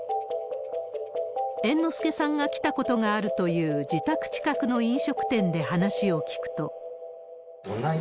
猿之助さんが来たことがあるという、自宅近くの飲食店で話を聞くと。